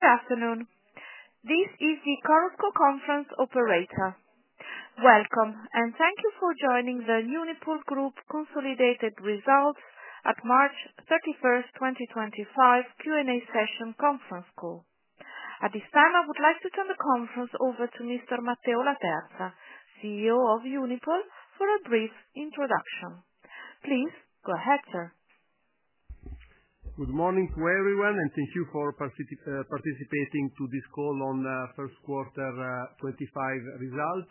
Good afternoon. This is the Carls Co Conference Operator. Welcome, and thank you for joining the Unipol Group Consolidated Results at March 31, 2025 Q&A Session Conference Call. At this time, I would like to turn the conference over to Mr. Matteo Laterza, CEO of Unipol, for a brief introduction. Please go ahead, sir. Good morning to everyone, and thank you for participating in this call on First Quarter 2025 results.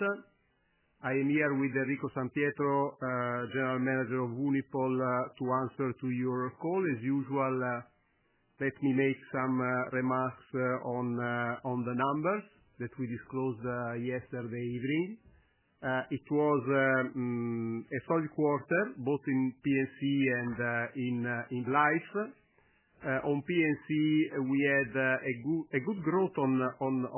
I am here with Enrico San Pietro, General Manager of Unipol, to answer your call. As usual, let me make some remarks on the numbers that we disclosed yesterday evening. It was a solid quarter, both in P&C and in life. On P&C, we had a good growth on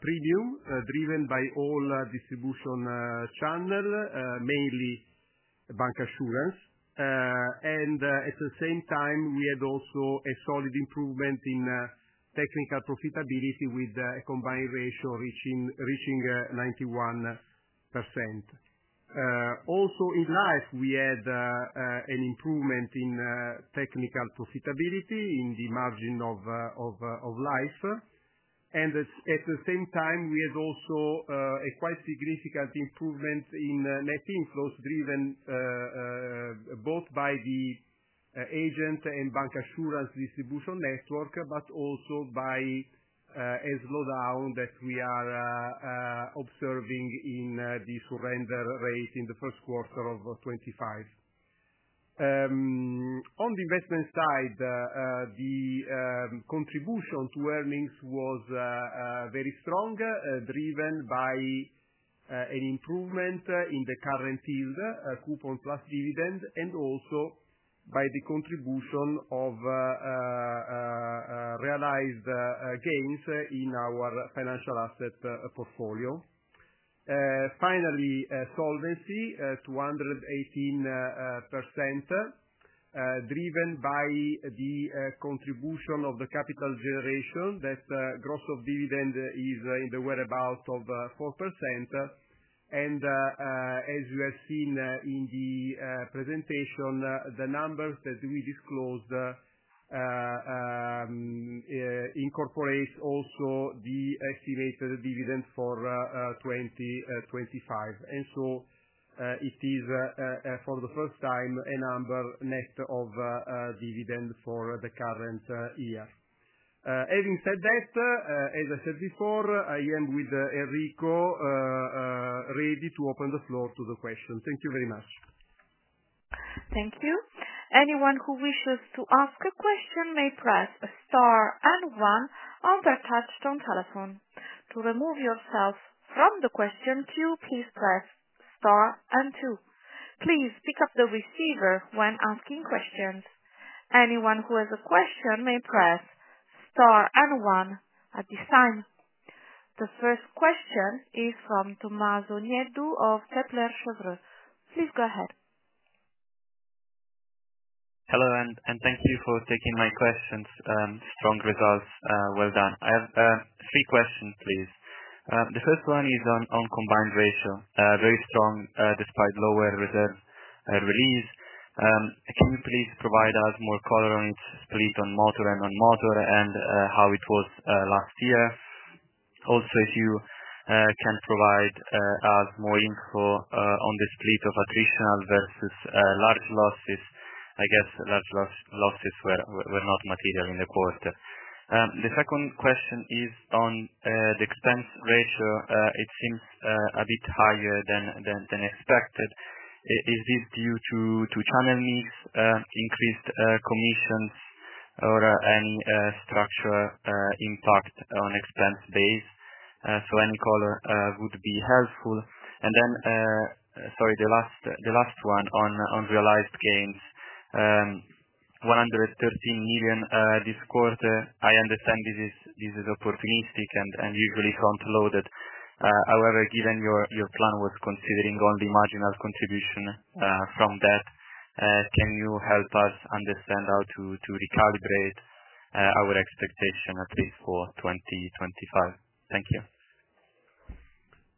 premium, driven by all distribution channels, mainly bank assurance. At the same time, we had also a solid improvement in technical profitability with a combined ratio reaching 91%. Also, in life, we had an improvement in technical profitability in the margin of life. At the same time, we had also a quite significant improvement in net inflows, driven both by the agent and bancassurance distribution network, but also by a slowdown that we are observing in the surrender rate in the first quarter of 2025. On the investment side, the contribution to earnings was very strong, driven by an improvement in the current yield, coupon plus dividend, and also by the contribution of realized gains in our financial asset portfolio. Finally, solvency at 218%, driven by the contribution of the capital generation that gross of dividend is in the whereabouts of 4%. As you have seen in the presentation, the numbers that we disclosed incorporate also the estimated dividend for 2025. It is, for the first time, a number net of dividend for the current year. Having said that, as I said before, I am with Enrico ready to open the floor to the questions. Thank you very much. Thank you. Anyone who wishes to ask a question may press star and one on their touchstone telephone. To remove yourself from the question queue, please press star and two. Please pick up the receiver when asking questions. Anyone who has a question may press star and one at this time. The first question is from Tommaso Nieddu of Kepler Cheuvreux. Please go ahead. Hello, and thank you for taking my questions. Strong results. Well done. I have three questions, please. The first one is on combined ratio, very strong despite lower reserve release. Can you please provide us more color on it, split on motor and non-motor, and how it was last year? Also, if you can provide us more info on the split of attritional versus large losses. I guess large losses were not material in the quarter. The second question is on the expense ratio. It seems a bit higher than expected. Is this due to channel mix, increased commissions, or any structural impact on expense base? Any color would be helpful. Sorry, the last one on realized gains, 113 million this quarter. I understand this is opportunistic and usually front-loaded. However, given your plan was considering only marginal contribution from that, can you help us understand how to recalibrate our expectation at least for 2025? Thank you.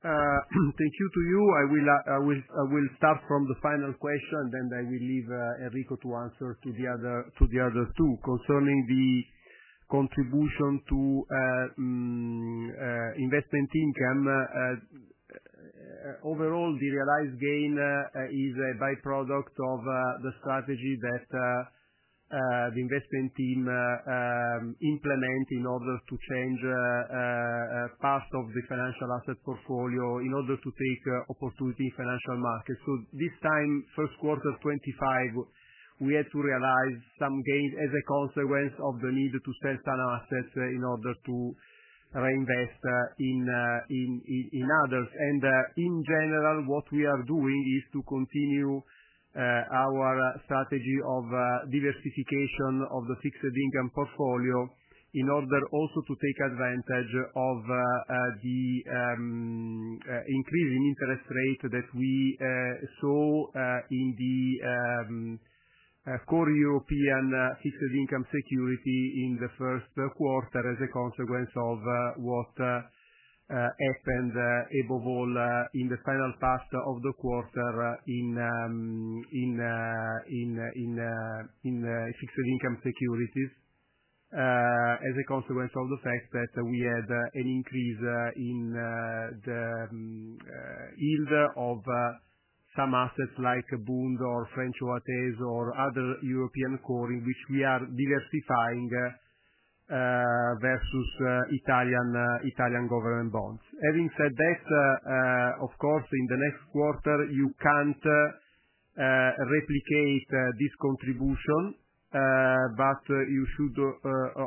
Thank you to you. I will start from the final question, and then I will leave Enrico to answer to the other two concerning the contribution to investment income. Overall, the realized gain is a byproduct of the strategy that the investment team implemented in order to change parts of the financial asset portfolio in order to take opportunity in financial markets. This time, first quarter 2025, we had to realize some gains as a consequence of the need to sell some assets in order to reinvest in others. In general, what we are doing is to continue our strategy of diversification of the fixed income portfolio in order also to take advantage of the increase in interest rate that we saw in the core European fixed income security in the first quarter as a consequence of what happened above all in the final part of the quarter in fixed income securities as a consequence of the fact that we had an increase in the yield of some assets like bonds or French OATs or other European core in which we are diversifying versus Italian government bonds. Having said that, of course, in the next quarter, you can't replicate this contribution, but you should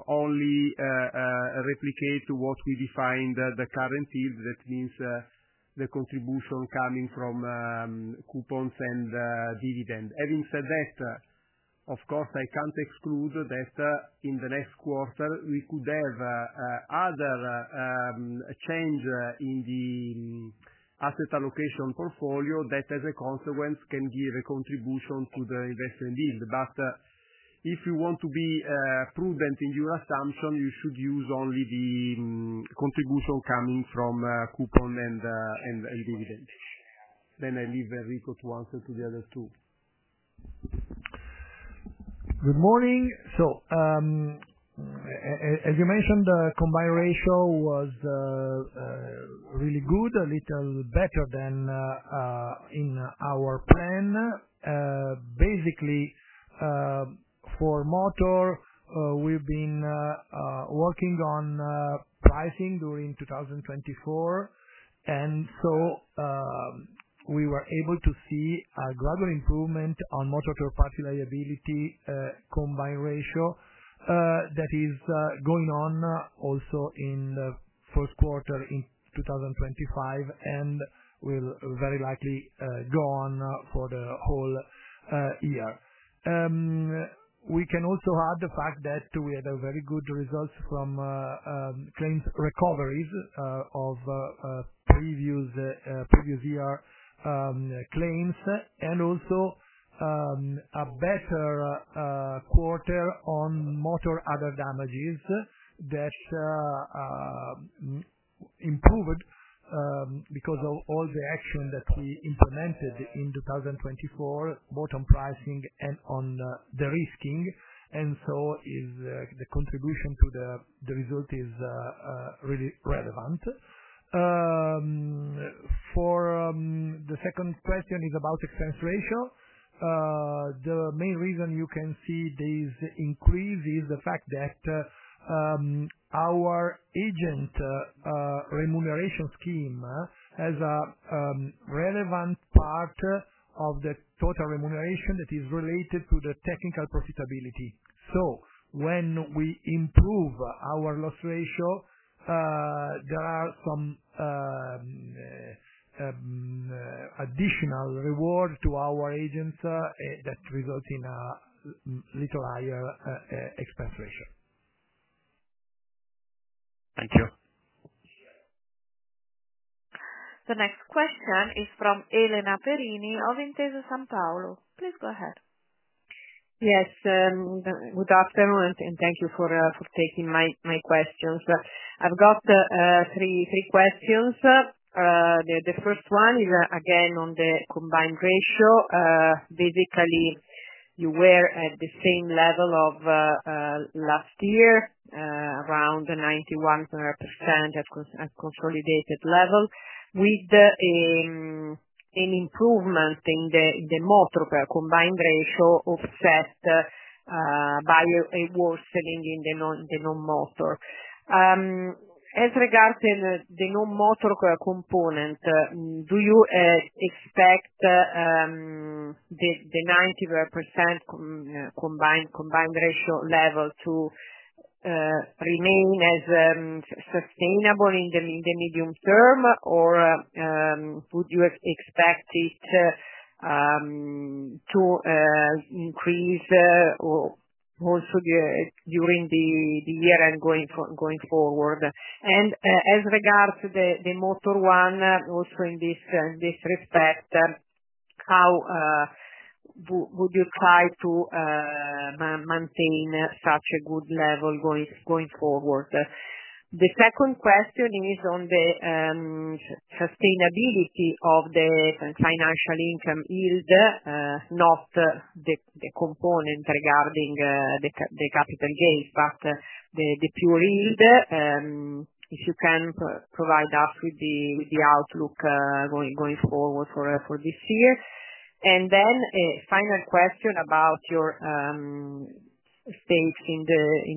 only replicate what we defined as the current yield, that means the contribution coming from coupons and dividend. Having said that, of course, I can't exclude that in the next quarter, we could have other change in the asset allocation portfolio that as a consequence can give a contribution to the investment yield. If you want to be prudent in your assumption, you should use only the contribution coming from coupon and dividend. I leave Enrico to answer to the other two. Good morning. As you mentioned, the combined ratio was really good, a little better than in our plan. Basically, for motor, we've been working on pricing during 2024, and we were able to see a gradual improvement on motor third-party liability combined ratio that is going on also in the first quarter in 2025 and will very likely go on for the whole year. We can also add the fact that we had very good results from claims recoveries of previous year claims and also a better quarter on motor other damages that improved because of all the action that we implemented in 2024, both on pricing and on the risking. The contribution to the result is really relevant. For the second question, it is about expense ratio. The main reason you can see this increase is the fact that our agent remuneration scheme has a relevant part of the total remuneration that is related to the technical profitability. When we improve our loss ratio, there are some additional rewards to our agents that result in a little higher expense ratio. Thank you. The next question is from Elena Perini of Intesa Sanpaolo. Please go ahead. Yes. Good afternoon, and thank you for taking my questions. I've got three questions. The first one is, again, on the combined ratio. Basically, you were at the same level of last year, around 91% at consolidated level, with an improvement in the motor combined ratio offset by a worse selling in the non-motor. As regards to the non-motor component, do you expect the 90% combined ratio level to remain as sustainable in the medium term, or would you expect it to increase also during the year and going forward? As regards to the motor one, also in this respect, how would you try to maintain such a good level going forward? The second question is on the sustainability of the financial income yield, not the component regarding the capital gains, but the pure yield, if you can provide us with the outlook going forward for this year. A final question about your stakes in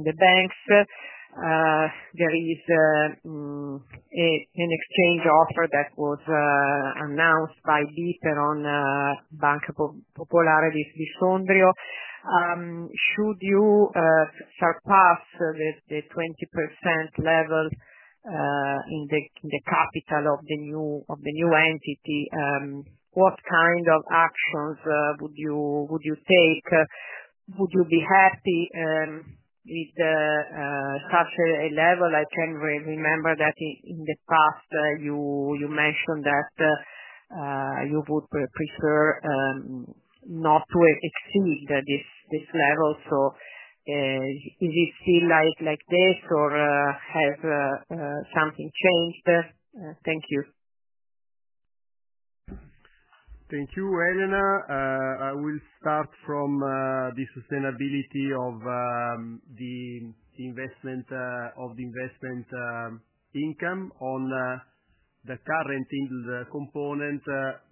the banks. There is an exchange offer that was announced by BPER Banca on Banco Popolare di Sondrio. Should you surpass the 20% level in the capital of the new entity, what kind of actions would you take? Would you be happy with such a level? I can remember that in the past, you mentioned that you would prefer not to exceed this level. Is it still like this, or has something changed? Thank you. Thank you, Elena. I will start from the sustainability of the investment income on the current component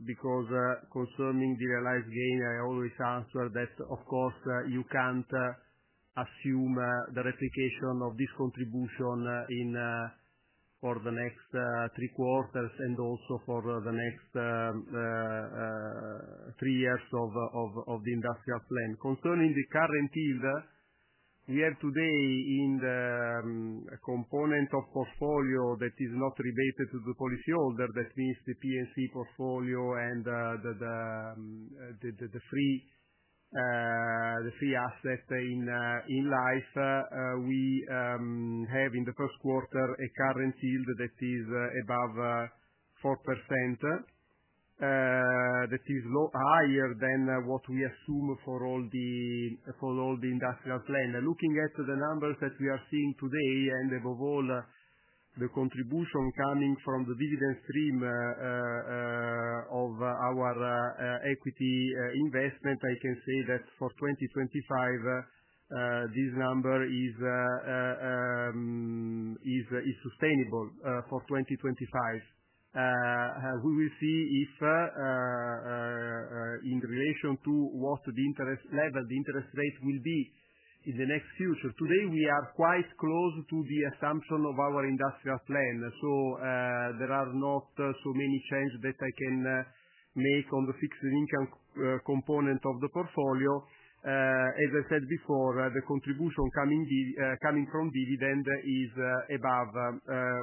because concerning the realized gain, I always answer that, of course, you can't assume the replication of this contribution for the next three quarters and also for the next three years of the industrial plan. Concerning the current yield, we have today in the component of portfolio that is not related to the policyholder, that means the P&C portfolio and the free asset in life. We have in the first quarter a current yield that is above 4%, that is higher than what we assume for all the industrial plan. Looking at the numbers that we are seeing today and above all, the contribution coming from the dividend stream of our equity investment, I can say that for 2025, this number is sustainable for 2025. We will see if in relation to what the interest level, the interest rate will be in the next future. Today, we are quite close to the assumption of our industrial plan. There are not so many changes that I can make on the fixed income component of the portfolio. As I said before, the contribution coming from dividend is above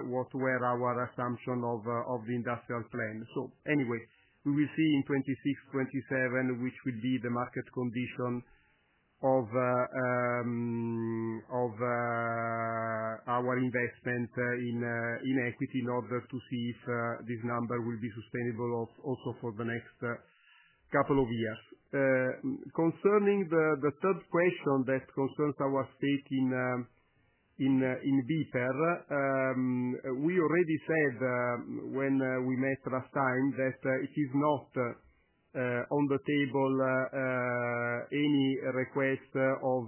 what were our assumption of the industrial plan. Anyway, we will see in 2026, 2027, which will be the market condition of our investment in equity in order to see if this number will be sustainable also for the next couple of years. Concerning the third question that concerns our stake in BPER, we already said when we met last time that it is not on the table any request of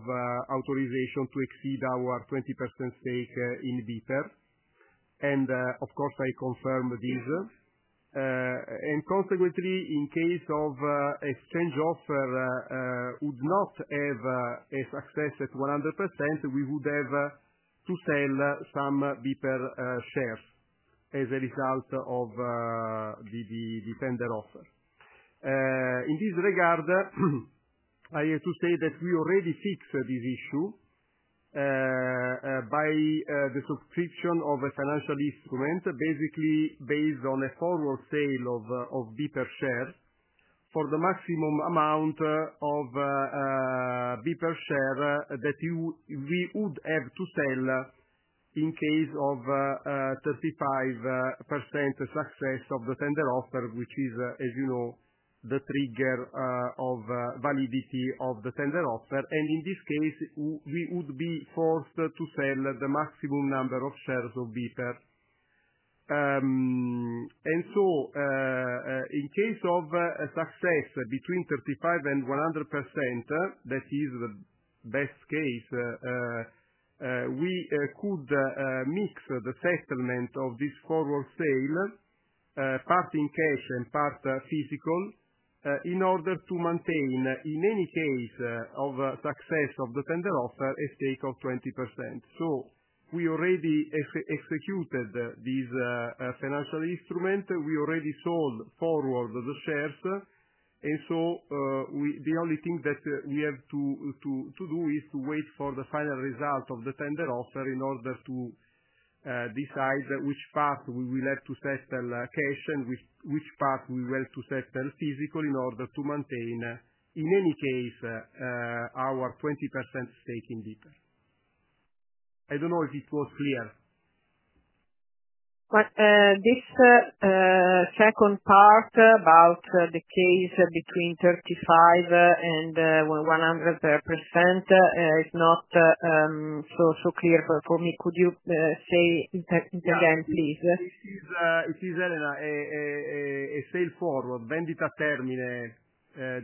authorization to exceed our 20% stake in BPER. Of course, I confirm this. Consequently, in case the exchange offer would not have a success at 100%, we would have to sell some BPER shares as a result of the tender offer. In this regard, I have to say that we already fixed this issue by the subscription of a financial instrument, basically based on a forward sale of BPER shares for the maximum amount of BPER shares that we would have to sell in case of 35% success of the tender offer, which is, as you know, the trigger of validity of the tender offer. In this case, we would be forced to sell the maximum number of shares of BPER. In case of success between 35% and 100%, that is the best case, we could mix the settlement of this forward sale, part in cash and part physical, in order to maintain in any case of success of the tender offer a stake of 20%. We already executed this financial instrument. We already sold forward the shares. The only thing that we have to do is to wait for the final result of the tender offer in order to decide which part we will have to settle cash and which part we will have to settle physical in order to maintain, in any case, our 20% stake in BPER. I do not know if it was clear. This second part about the case between 35% and 100% is not so clear for me. Could you say it again, please? It is, Elena, a sale forward, vendita a termine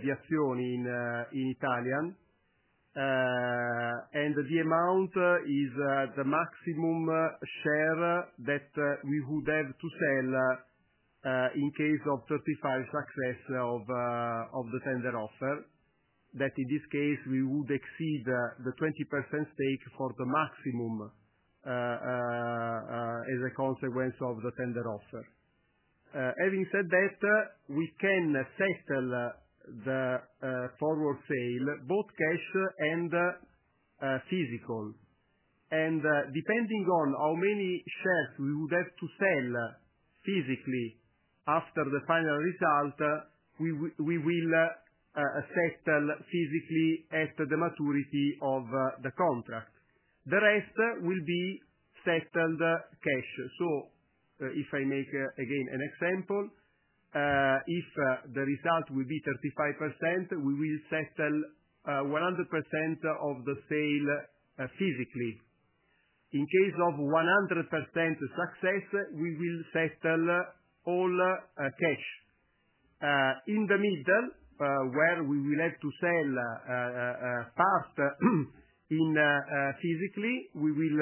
di azioni in Italian. The amount is the maximum share that we would have to sell in case of 35% success of the tender offer, that in this case, we would exceed the 20% stake for the maximum as a consequence of the tender offer. Having said that, we can settle the forward sale, both cash and physical. Depending on how many shares we would have to sell physically after the final result, we will settle physically at the maturity of the contract. The rest will be settled cash. If I make again an example, if the result will be 35%, we will settle 100% of the sale physically. In case of 100% success, we will settle all cash. In the middle, where we will have to sell part in physically, we will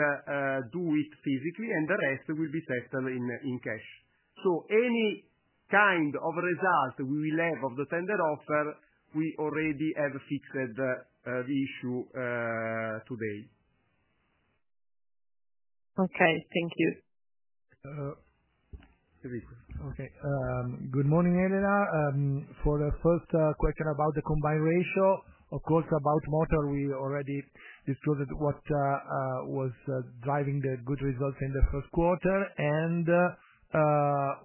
do it physically, and the rest will be settled in cash. Any kind of result we will have of the tender offer, we already have fixed the issue today. Okay. Thank you. Okay. Good morning, Elena. For the first question about the combined ratio, of course, about motor, we already discussed what was driving the good results in the first quarter.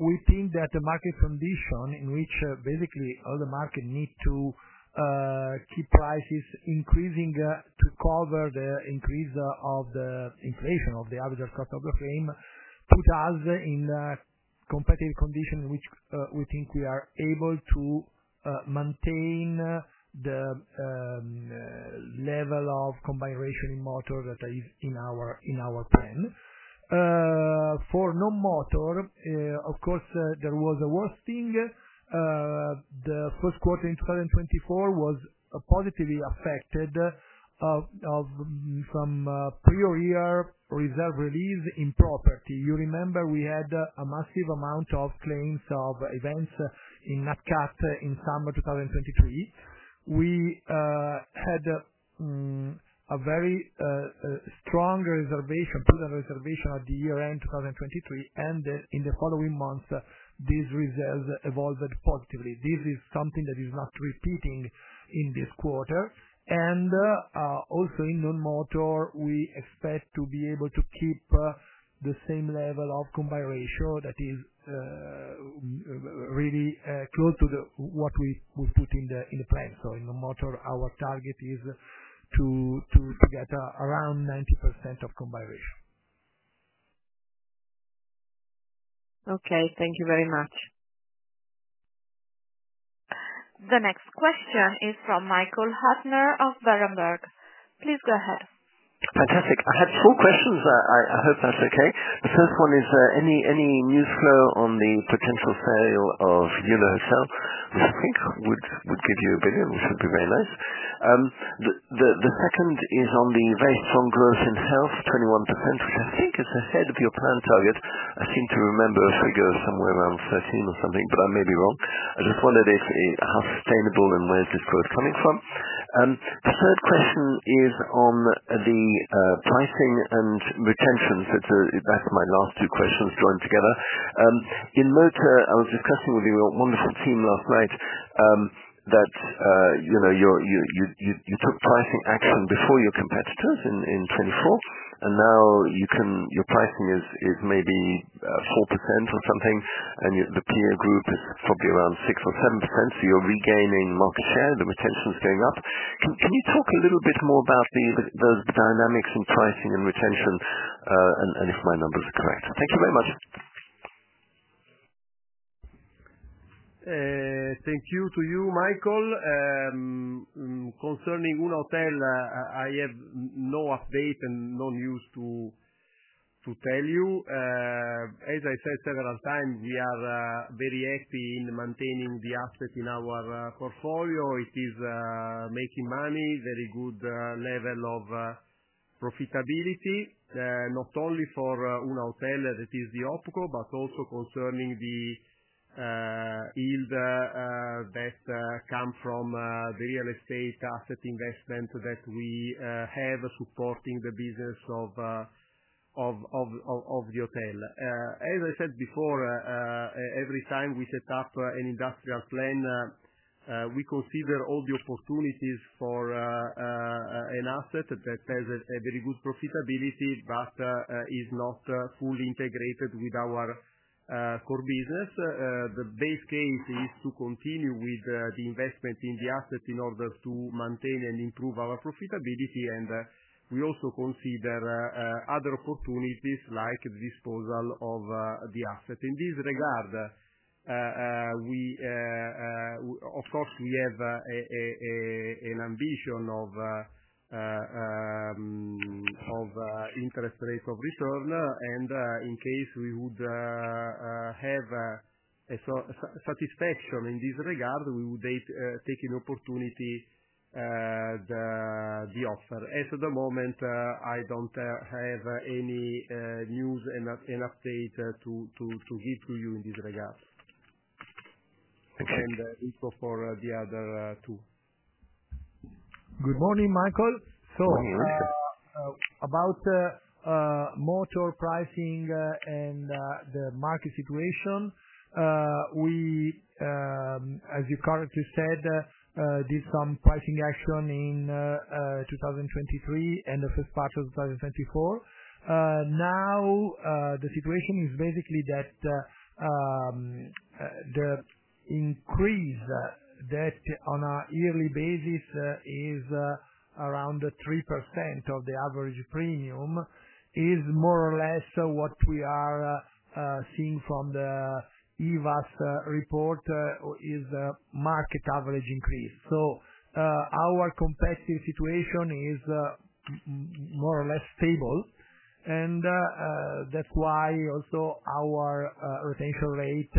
We think that the market condition in which basically all the market need to keep prices increasing to cover the increase of the inflation of the average cost of the frame put us in a competitive condition in which we think we are able to maintain the level of combined ratio in motor that is in our plan. For non-motor, of course, there was a worst thing. The first quarter in 2024 was positively affected of some prior year reserve release in property. You remember we had a massive amount of claims of events in NatCat in summer 2023. We had a very strong reservation, put a reservation at the year-end 2023, and in the following months, these reserves evolved positively. This is something that is not repeating in this quarter. Also in non-motor, we expect to be able to keep the same level of combined ratio that is really close to what we put in the plan. In non-motor, our target is to get around 90% of combined ratio. Okay. Thank you very much. The next question is from Michael Huttner of Berenberg. Please go ahead. Fantastic. I had four questions. I hope that's okay. The first one is any news flow on the potential sale of Luleå Hotel? Which I think would give you 1 billion. It would be very nice. The second is on the very strong growth in health, 21%, which I think is ahead of your planned target. I seem to remember a figure somewhere around 13% or something, but I may be wrong. I just wondered how sustainable and where is this growth coming from. The third question is on the pricing and retention. That's my last two questions joined together. In motor, I was discussing with your wonderful team last night that you took pricing action before your competitors in 2024, and now your pricing is maybe 4% or something, and the peer group is probably around 6-7%. So you're regaining market share. The retention is going up. Can you talk a little bit more about those dynamics in pricing and retention, and if my numbers are correct? Thank you very much. Thank you to you, Michael. Concerning Luleå Hotel, I have no update and no news to tell you. As I said several times, we are very happy in maintaining the asset in our portfolio. It is making money, very good level of profitability, not only for Luleå Hotel that is the Opco, but also concerning the yield that comes from the real estate asset investment that we have supporting the business of the hotel. As I said before, every time we set up an industrial plan, we consider all the opportunities for an asset that has a very good profitability but is not fully integrated with our core business. The base case is to continue with the investment in the asset in order to maintain and improve our profitability, and we also consider other opportunities like the disposal of the asset. In this regard, of course, we have an ambition of interest rate of return, and in case we would have satisfaction in this regard, we would take an opportunity to offer. As of the moment, I don't have any news and update to give to you in this regard. We go for the other two. Good morning, Michael. About motor pricing and the market situation, we, as you correctly said, did some pricing action in 2023 and the first part of 2024. Now, the situation is basically that the increase that on a yearly basis is around 3% of the average premium is more or less what we are seeing from the EVAS report is market average increase. Our competitive situation is more or less stable, and that is why also our retention rate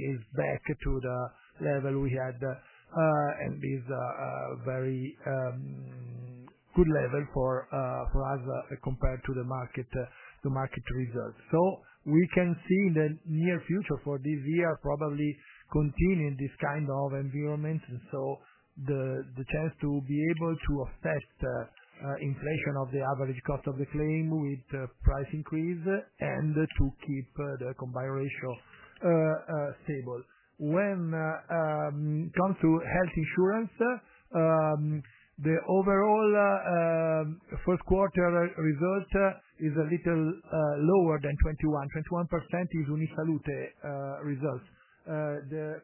is back to the level we had, and it is a very good level for us compared to the market results. We can see in the near future for this year probably continuing this kind of environment. The chance to be able to affect inflation of the average cost of the claim with price increase and to keep the combined ratio stable. When it comes to health insurance, the overall first quarter result is a little lower than 21%. 21% is UniSalute results. The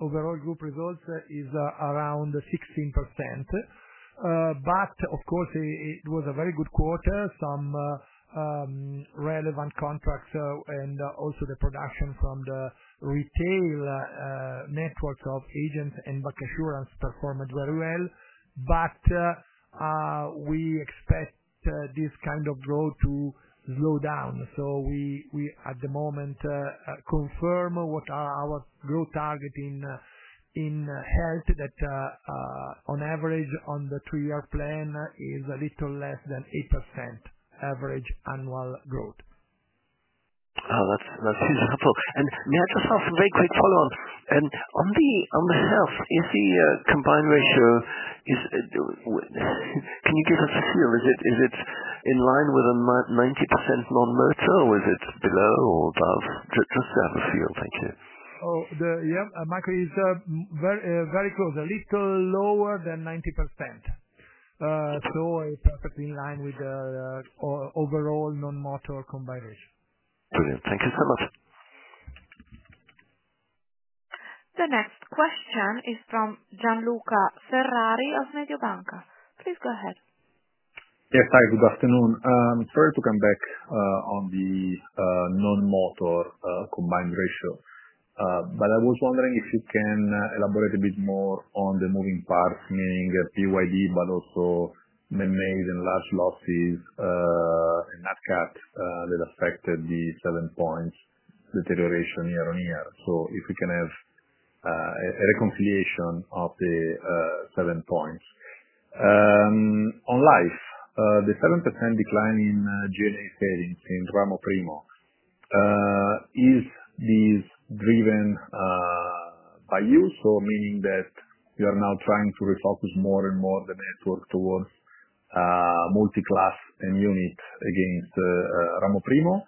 overall group result is around 16%. Of course, it was a very good quarter. Some relevant contracts and also the production from the retail networks of agents and bank assurance performed very well. We expect this kind of growth to slow down. We, at the moment, confirm what our growth target in health that on average on the three-year plan is a little less than 8% average annual growth. That's hugely helpful. May I just ask a very quick follow-up? On the health, is the combined ratio, can you give us a feel? Is it in line with a 90% non-motor, or is it below or above? Just to have a feel. Thank you. Oh, yeah, Michael, it's very close. A little lower than 90%. So it's perfectly in line with the overall non-motor combined ratio. Brilliant. Thank you so much. The next question is from Gianluca Ferrari of Mediobanca. Please go ahead. Yes, hi. Good afternoon. Sorry to come back on the non-motor combined ratio. I was wondering if you can elaborate a bit more on the moving parts, meaning PYD, but also man-made and large losses in NatCat that affected the seven points deterioration year on year. If we can have a reconciliation of the seven points. On life, the 7% decline in GNA savings in Ramoprimo, is this driven by you? Meaning that you are now trying to refocus more and more the network towards multi-class and unit against Ramoprimo,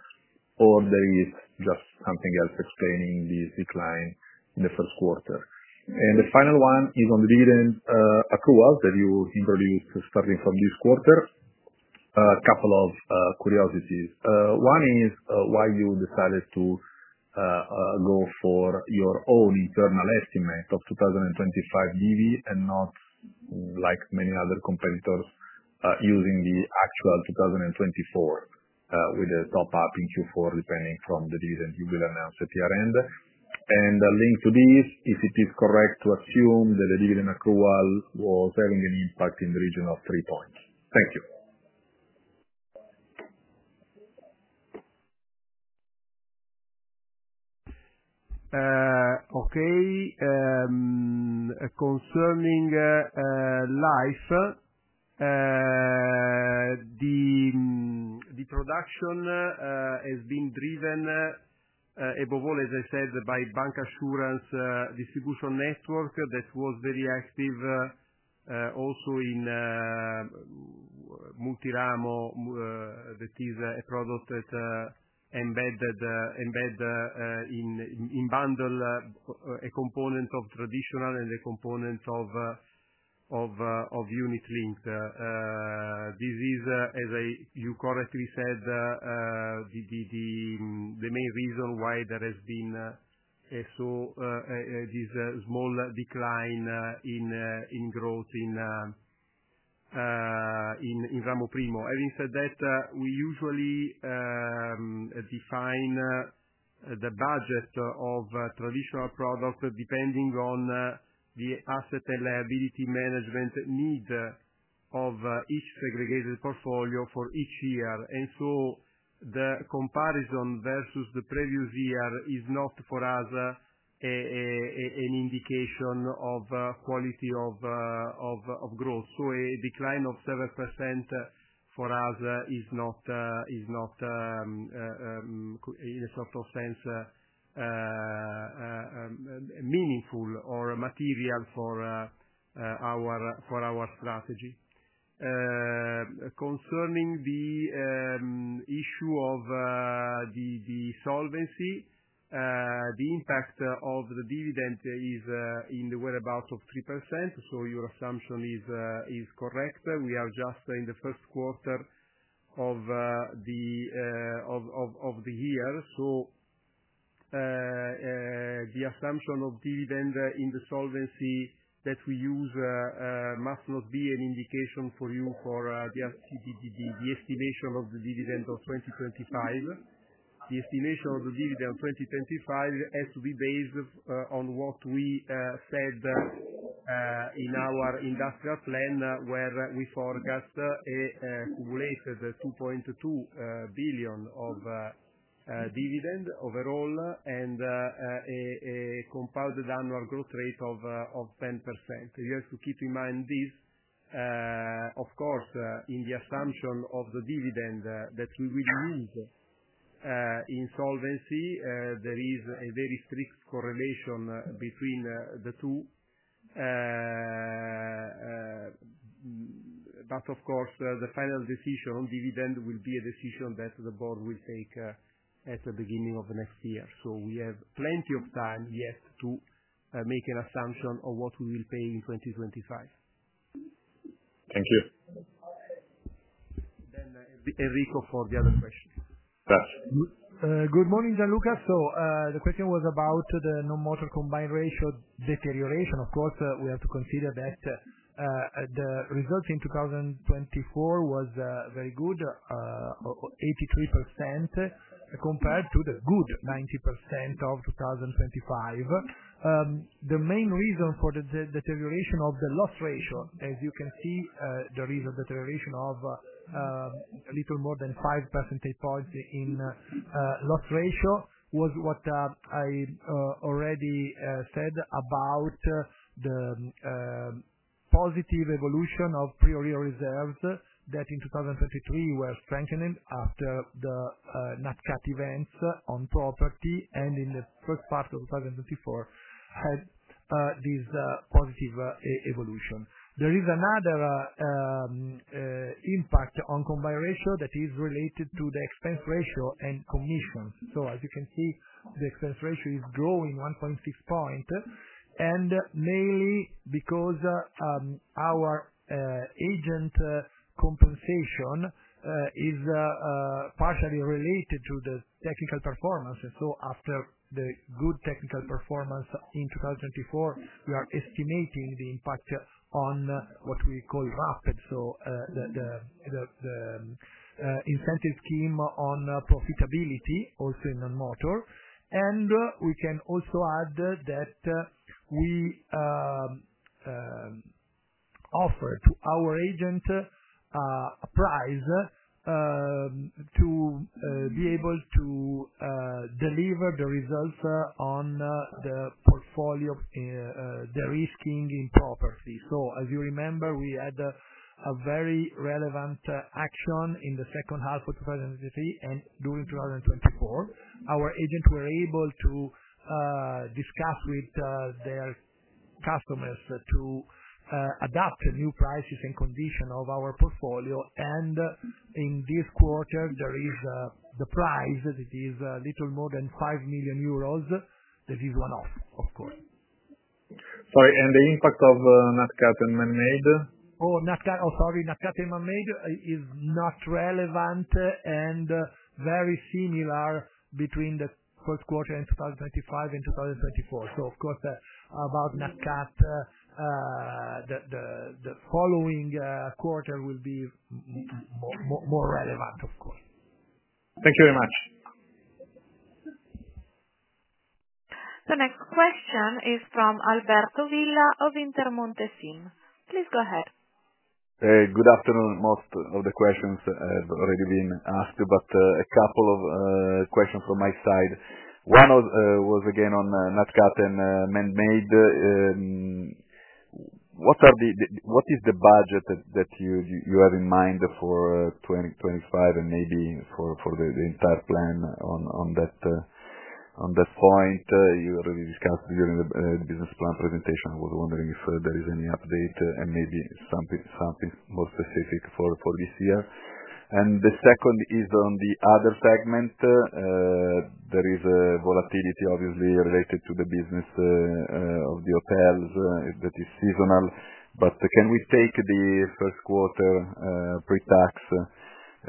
or is there just something else explaining this decline in the first quarter? The final one is on the dividend accruals that you introduced starting from this quarter. A couple of curiosities. One is why you decided to go for your own internal estimate of 2025 BV and not like many other competitors using the actual 2024 with a top-up in Q4 depending from the dividend you will announce at year-end. Linked to this, if it is correct to assume that the dividend accrual was having an impact in the region of three points. Thank you. Okay. Concerning life, the production has been driven above all, as I said, by bancassurance distribution network that was very active also in Multi-ramo that is a product that embedded in bundle a component of traditional and a component of unit linked. This is, as you correctly said, the main reason why there has been this small decline in growth in Ramoprimo. Having said that, we usually define the budget of traditional products depending on the asset and liability management need of each segregated portfolio for each year. The comparison versus the previous year is not for us an indication of quality of growth. A decline of 7% for us is not, in a sort of sense, meaningful or material for our strategy. Concerning the issue of the solvency, the impact of the dividend is in the whereabouts of 3%. Your assumption is correct. We are just in the first quarter of the year. The assumption of dividend in the solvency that we use must not be an indication for you for the estimation of the dividend of 2025. The estimation of the dividend of 2025 has to be based on what we said in our industrial plan where we forecast a cumulated 2.2 billion of dividend overall and a compounded annual growth rate of 10%. You have to keep in mind this. Of course, in the assumption of the dividend that we will use in solvency, there is a very strict correlation between the two. Of course, the final decision on dividend will be a decision that the board will take at the beginning of next year. We have plenty of time yet to make an assumption of what we will pay in 2025. Thank you. Enrico for the other question. Good morning, Gianluca. The question was about the non-motor combined ratio deterioration. Of course, we have to consider that the result in 2024 was very good, 83%, compared to the good 90% of 2025. The main reason for the deterioration of the loss ratio, as you can see, there is a deterioration of a little more than five percentage points in loss ratio, was what I already said about the positive evolution of prior year reserves that in 2023 were strengthening after the NatCat events on property and in the first part of 2024 had this positive evolution. There is another impact on combined ratio that is related to the expense ratio and commission. As you can see, the expense ratio is growing one point six points, and mainly because our agent compensation is partially related to the technical performance. After the good technical performance in 2024, we are estimating the impact on what we call RAPED, so the incentive scheme on profitability, also in non-motor. We can also add that we offer to our agent a prize to be able to deliver the results on the portfolio they are risking in property. As you remember, we had a very relevant action in the second half of 2023 and during 2024. Our agents were able to discuss with their customers to adopt new prices and conditions of our portfolio. In this quarter, there is the prize that is a little more than 5 million euros. This is one-off, of course. Sorry. The impact of NatCat and man-made? Oh, sorry. NatCat and man-made is not relevant and very similar between the first quarter in 2025 and 2024. Of course, about NatCat, the following quarter will be more relevant, of course. Thank you very much. The next question is from Alberto Villa of Intermonte SIM. Please go ahead. Good afternoon. Most of the questions have already been asked, but a couple of questions from my side. One was again on NatCat and man-made. What is the budget that you have in mind for 2025 and maybe for the entire plan on that point? You already discussed during the business plan presentation. I was wondering if there is any update and maybe something more specific for this year. The second is on the other segment. There is volatility, obviously, related to the business of the hotels that is seasonal. Can we take the first quarter pre-tax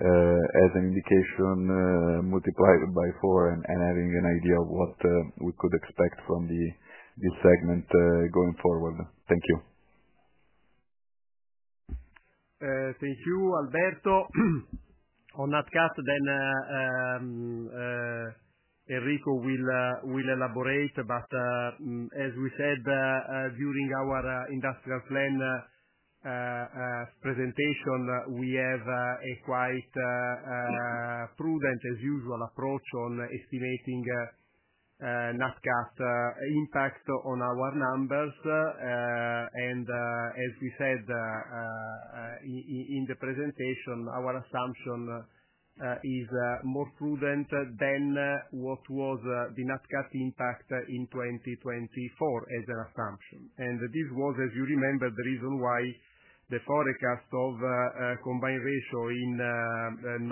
as an indication multiplied by four and having an idea of what we could expect from this segment going forward? Thank you. Thank you, Alberto. On NatCat, Enrico will elaborate. As we said during our industrial plan presentation, we have a quite prudent, as usual, approach on estimating NatCat impact on our numbers. As we said in the presentation, our assumption is more prudent than what was the NatCat impact in 2024 as an assumption. This was, as you remember, the reason why the forecast of combined ratio in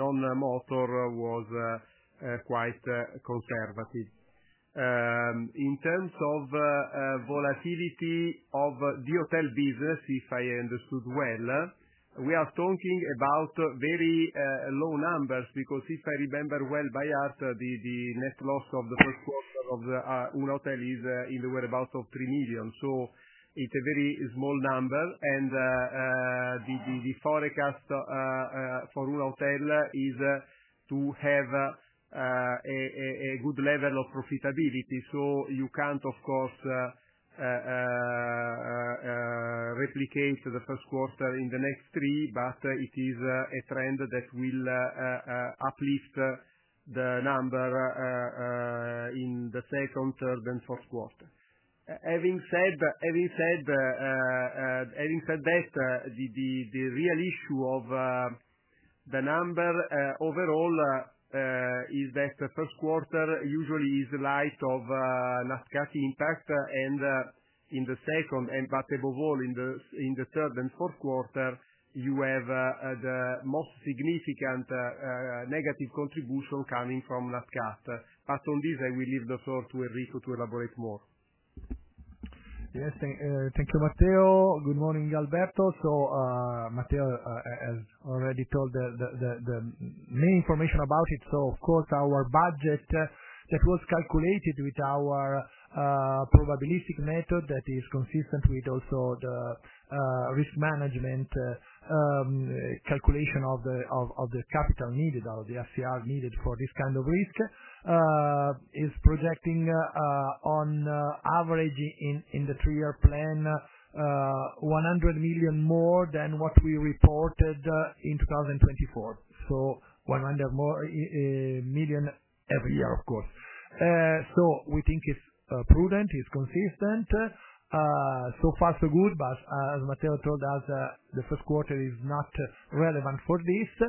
non-motor was quite conservative. In terms of volatility of the hotel business, if I understood well, we are talking about very low numbers because if I remember well by heart, the net loss of the first quarter of one hotel is in the whereabouts of 3 million. It is a very small number. The forecast for one hotel is to have a good level of profitability. You can't, of course, replicate the first quarter in the next three, but it is a trend that will uplift the number in the second, third, and fourth quarter. Having said that, the real issue of the number overall is that the first quarter usually is light of NatCat impact. In the second, but above all, in the third and fourth quarter, you have the most significant negative contribution coming from NatCat. On this, I will leave the floor to Enrico to elaborate more. Yes. Thank you, Matteo. Good morning, Alberto. Matteo has already told the main information about it. Of course, our budget that was calculated with our probabilistic method that is consistent with also the risk management calculation of the capital needed or the FCR needed for this kind of risk is projecting on average in the three-year plan, 100 million more than what we reported in 2024. 100 million every year, of course. We think it's prudent, it's consistent. So far, so good. As Matteo told us, the first quarter is not relevant for this.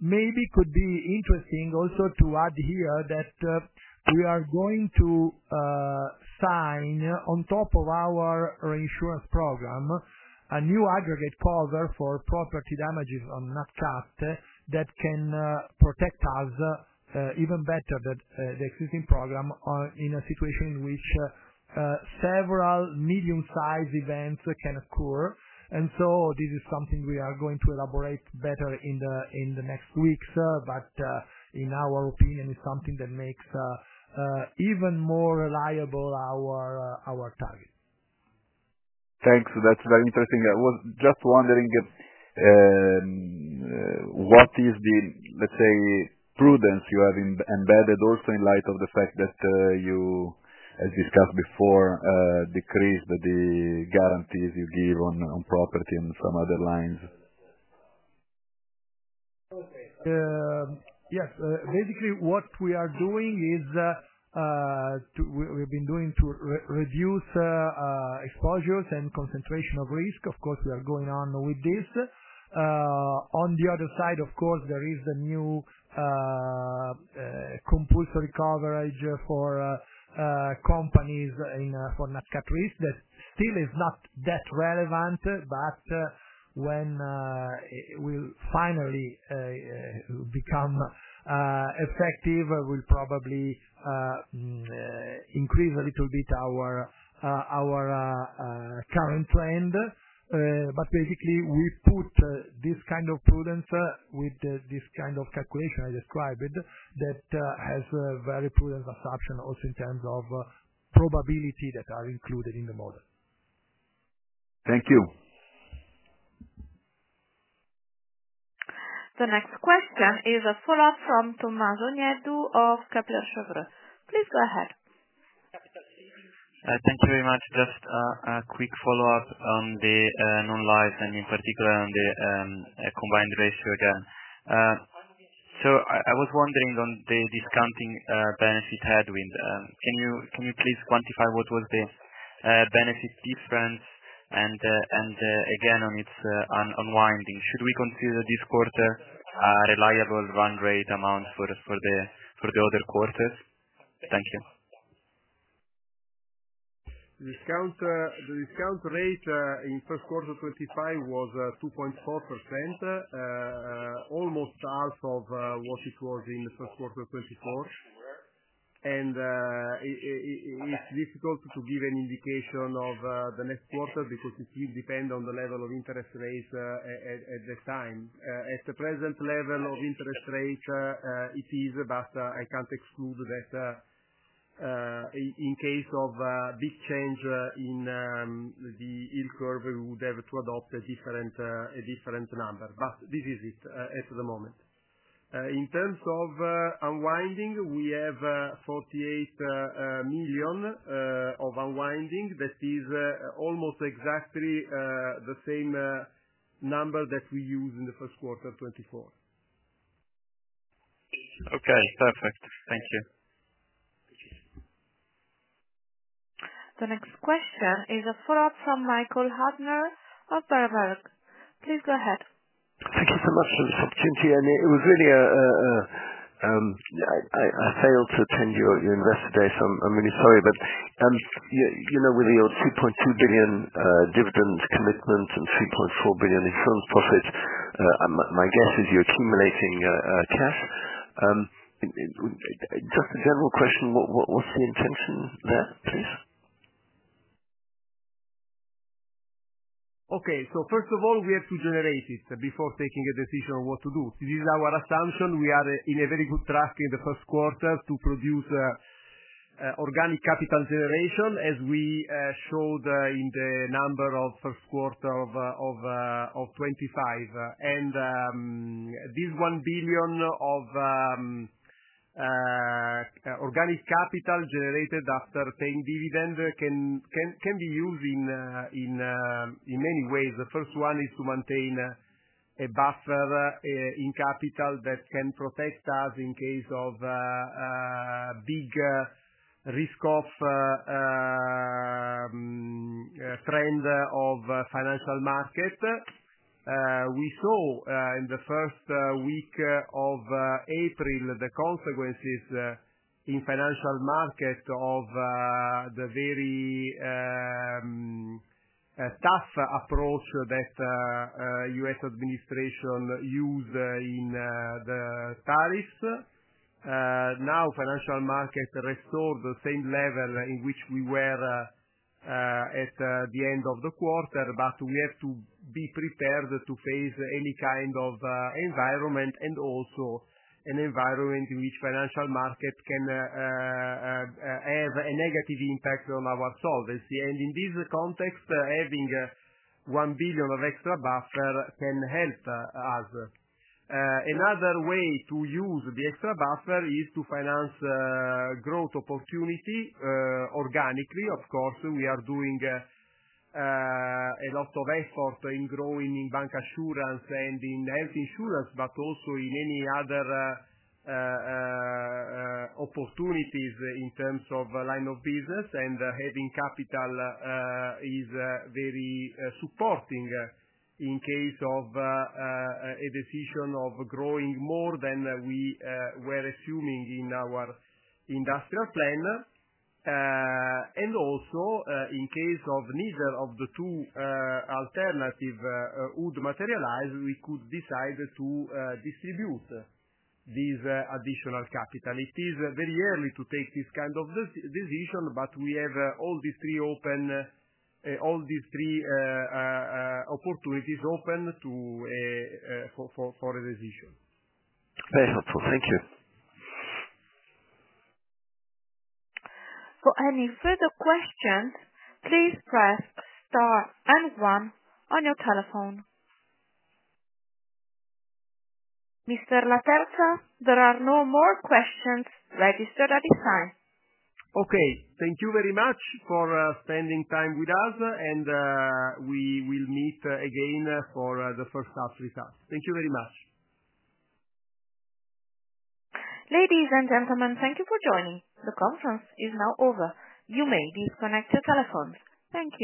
Maybe it could be interesting also to add here that we are going to sign, on top of our reinsurance program, a new aggregate cover for property damages on NatCat that can protect us even better than the existing program in a situation in which several medium-sized events can occur. This is something we are going to elaborate better in the next weeks. In our opinion, it's something that makes even more reliable our target. Thanks. That's very interesting. I was just wondering what is the, let's say, prudence you have embedded also in light of the fact that you, as discussed before, decreased the guarantees you give on property and some other lines. Yes. Basically, what we are doing is we've been doing to reduce exposures and concentration of risk. Of course, we are going on with this. On the other side, of course, there is the new compulsory coverage for companies for NatCat risk that still is not that relevant. When it will finally become effective, we'll probably increase a little bit our current trend. Basically, we put this kind of prudence with this kind of calculation I described, that has a very prudent assumption also in terms of probability that are included in the model. Thank you. The next question is a follow-up from Tommaso Nieddu of Kepler Cheuvreux. Please go ahead. Thank you very much. Just a quick follow-up on the non-lives, and in particular on the combined ratio again. I was wondering on the discounting benefit headwind. Can you please quantify what was the benefit difference? Again, on its unwinding, should we consider this quarter a reliable run rate amount for the other quarters? Thank you. The discount rate in first quarter 2025 was 2.4%, almost half of what it was in the first quarter 2024. It is difficult to give an indication of the next quarter because it will depend on the level of interest rates at that time. At the present level of interest rate, it is, but I can't exclude that in case of a big change in the yield curve, we would have to adopt a different number. This is it at the moment. In terms of unwinding, we have 48 million of unwinding. That is almost exactly the same number that we used in the first quarter 2024. Okay. Perfect. Thank you. The next question is a follow-up from Michael Huttner of Berenberg. Please go ahead. Thank you so much for this opportunity. It was really a—I failed to attend your investor day, so I'm really sorry. With your 2.2 billion dividend commitment and 3.4 billion insurance profits, my guess is you're accumulating cash. Just a general question, what's the intention there, please? Okay. First of all, we have to generate it before taking a decision on what to do. This is our assumption. We are on a very good track in the first quarter to produce organic capital generation, as we showed in the numbers of the first quarter of 2025. This 1 billion of organic capital generated after paying dividend can be used in many ways. The first one is to maintain a buffer in capital that can protect us in case of a big risk-off trend of financial market. We saw in the first week of April the consequences in financial market of the very tough approach that the U.S. administration used in the tariffs. Now, financial market restored the same level in which we were at the end of the quarter, but we have to be prepared to face any kind of environment and also an environment in which financial market can have a negative impact on our solvency. In this context, having 1 billion of extra buffer can help us. Another way to use the extra buffer is to finance growth opportunity organically. Of course, we are doing a lot of effort in growing in bancassurance and in health insurance, but also in any other opportunities in terms of line of business. Having capital is very supporting in case of a decision of growing more than we were assuming in our industrial plan. Also, in case of neither of the two alternatives would materialize, we could decide to distribute this additional capital. It is very early to take this kind of decision, but we have all these three open—all these three opportunities open for a decision. Very helpful. Thank you. For any further questions, please press star and one on your telephone. Mr. Laterza, there are no more questions registered at this time. Okay. Thank you very much for spending time with us. We will meet again for the first half results. Thank you very much. Ladies and gentlemen, thank you for joining. The conference is now over. You may disconnect your telephones. Thank you.